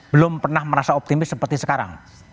belum pernah merasa optimis seperti sekarang